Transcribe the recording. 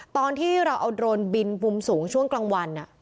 ตอนที่เราเอาโดรนบินมุมสูงช่วงกลางวัน